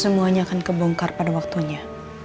semuanya akan kebongkar pada waktunya